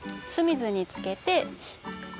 水につけて。